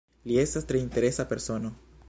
Li estas tre interesa persono.